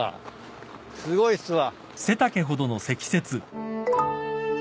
すごいっすわ。